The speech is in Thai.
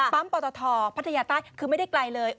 ปอตทพัทยาใต้คือไม่ได้ไกลเลย